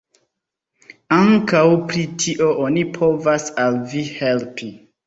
Ankaŭ pri tio oni povas al vi helpi.